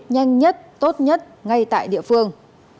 nhanh nhất tốt nhất ngay tại địa phương